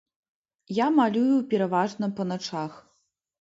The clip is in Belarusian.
Я малюю пераважна па начах.